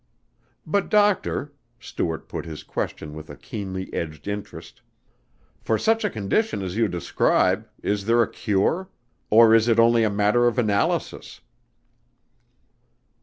"But, Doctor," Stuart put his question with a keenly edged interest, "for such a condition as you describe, is there a cure, or is it only a matter of analysis?"